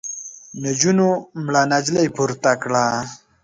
نجونو مړه نجلۍ پورته کړه.